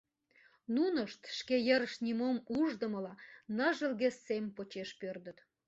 Нунышт, шке йырышт нимом уждымыла, ныжылге сем почеш пӧрдыт.